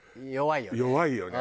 弱いよね。